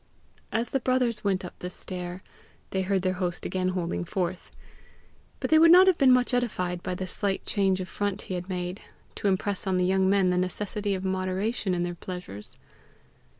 As the brothers went up the stair, they heard their host again holding forth; but they would not have been much edified by the slight change of front he had made to impress on the young men the necessity of moderation in their pleasures.